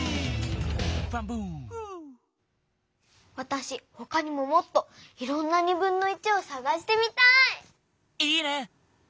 フウー！わたしほかにももっといろんなをさがしてみたい！いいね。